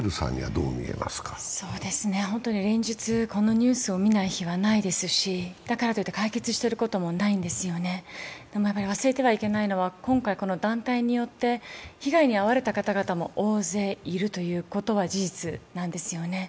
連日、このニュースを見ない日はないですしだからといって解決していることもないんですよね。忘れてはいけないのは、今回この団体によって被害に遭っておられる方々も大勢いるということなんですよね。